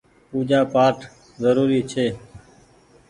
پوجآ پآٽ ڪآ زروري ڇي۔